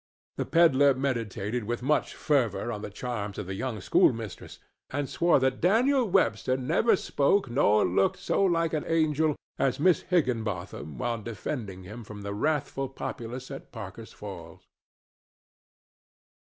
The pedler meditated with much fervor on the charms of the young schoolmistress, and swore that Daniel Webster never spoke nor looked so like an angel as Miss Higginbotham while defending him from the wrathful populace at Parker's Falls.